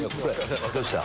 どうした？